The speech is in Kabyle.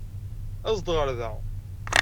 Aẓ-d ɣer da!